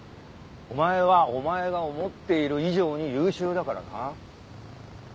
お前はお前が思っている以上に優秀だからな。